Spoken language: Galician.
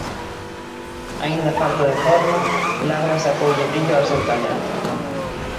Aínda falto de forma, Ladra sacoulle brillo ao seu talento.